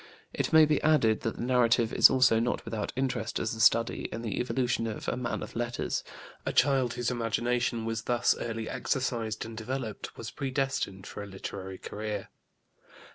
It may be added that the narrative is also not without interest as a study in the evolution of a man of letters; a child whose imagination was thus early exercised and developed was predestined for a literary career.